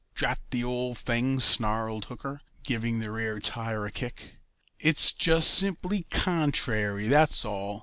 "Drat the old thing!" snarled Hooker, giving the rear tire a kick. "It's just simply contrary, that's all.